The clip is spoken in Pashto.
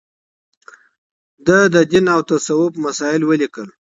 ده د دين او تصوف مسايل وليکل